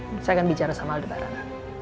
saya akan bicara sama aldebaran